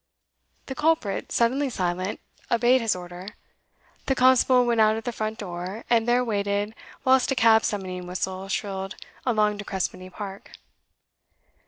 The culprit, suddenly silent, obeyed his order. The constable went out at the front door, and there waited whilst a cab summoning whistle shrilled along De Crespigny Park.